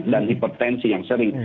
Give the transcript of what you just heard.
dan hipertensi yang sering